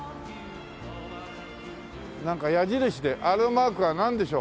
なんか矢印であのマークはなんでしょう？